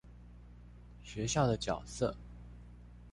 學校的角色